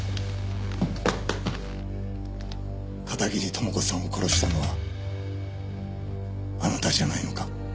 片桐朋子さんを殺したのはあなたじゃないのか？